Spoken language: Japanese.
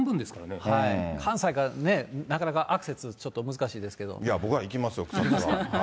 関西からね、なかなかアクセいや、僕は行きますよ、草津は。